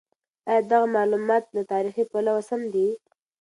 ایا دغه مالومات له تاریخي پلوه سم دي؟